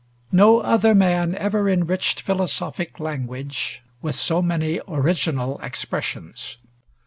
No other man ever enriched philosophic language with so many original expressions.